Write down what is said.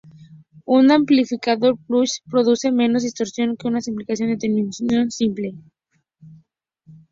Un amplificador push-pull produce menos distorsión que un amplificador de terminación simple.